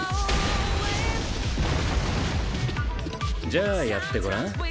じゃあやってごらん。